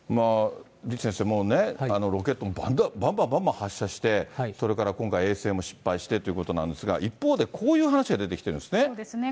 李先生、ロケットもばんばんばんばん発射して、それから今回、衛星も失敗してということなんですが、一方で、こういう話が出てそうですね。